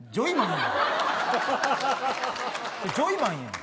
ジョイマンやん。